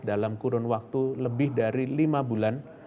dalam kurun waktu lebih dari lima bulan